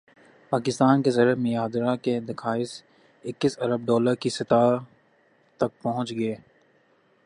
پاکستان کے زرمبادلہ کے ذخائر اکیس ارب ڈالر کی سطح تک پہنچ گئے